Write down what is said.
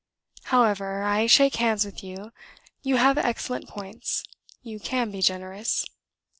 "However, I shake hands with you: you have excellent points; you can be generous.